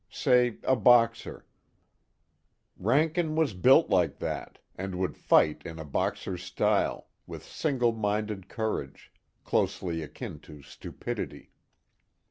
Say a Boxer: Rankin was built like that, and would fight in a Boxer's style, with single minded courage closely akin to stupidity.